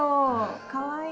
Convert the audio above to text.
かわいい。